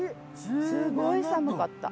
すごい寒かった。